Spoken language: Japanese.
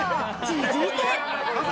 続いて。